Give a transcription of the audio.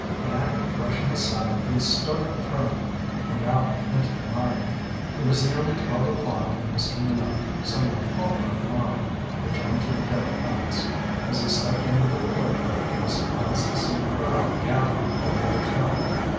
And, brushing aside the startled Trimmer, he went out into the night. It was nearly twelve o'clock when Mr. Minot, somewhat calmer of mind, returned to the De la Pax. As he stepped into the courtyard he was surprised to see a crowd gathered before the hotel.